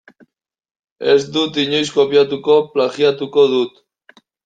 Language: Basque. Ez dut inoiz kopiatuko, plagiatuko dut.